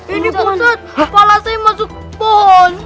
ini pun kepala saya masuk pohon